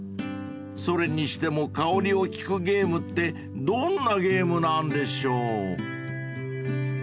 ［それにしても香りを聞くゲームってどんなゲームなんでしょう？］